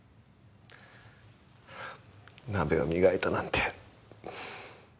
鍋を磨いたなんて。